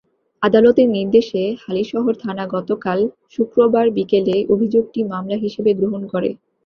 আদালতের নির্দেশে হালিশহর থানা গতকাল শুক্রবার বিকেলে অভিযোগটি মামলা হিসেবে গ্রহণ করে।